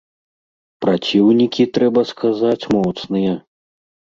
Праціўнікі, трэба сказаць, моцныя!